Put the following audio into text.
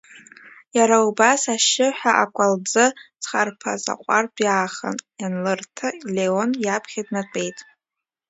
Иара убас ашьшьыҳәа, акәалӡы зхарԥаз аҟәардә иаахан ианлырҭа, Леон иаԥхьа днатәеит.